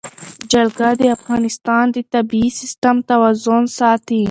جلګه د افغانستان د طبعي سیسټم توازن ساتي.